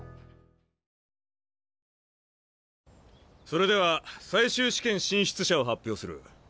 それでは最終試験進出者を発表する。